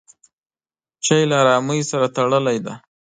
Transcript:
چای له ارامۍ سره تړلی دی.